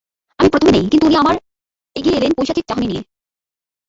আমি প্রথমে নেই, কিন্তু উনি আমার এগিয়ে এলেন পৈশাচিক চাহনি নিয়ে।